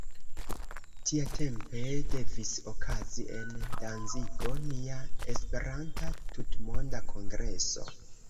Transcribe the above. Tiatempe devis okazi en Danzigo nia esperanta tutmonda Kongreso.